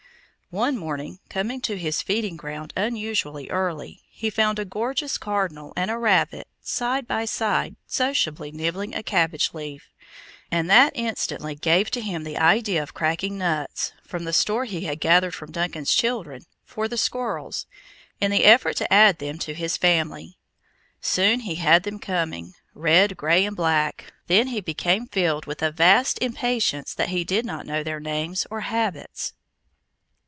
One morning, coming to his feeding ground unusually early, he found a gorgeous cardinal and a rabbit side by side sociably nibbling a cabbage leaf, and that instantly gave to him the idea of cracking nuts, from the store he had gathered for Duncan's children, for the squirrels, in the effort to add them to his family. Soon he had them coming red, gray, and black; then he became filled with a vast impatience that he did not know their names or habits.